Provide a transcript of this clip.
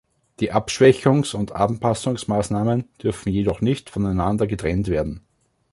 Die Abschwächungs- und Anpassungsmaßnahmen dürfen jedoch nicht voneinander getrennt werden.